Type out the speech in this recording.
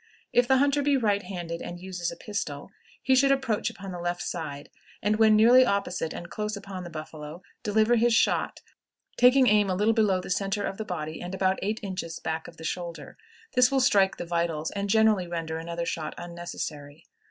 If the hunter be right handed, and uses a pistol, he should approach upon the left side, and when nearly opposite and close upon the buffalo, deliver his shot, taking aim a little below the centre of the body, and about eight inches back of the shoulder. This will strike the vitals, and generally render another shot unnecessary.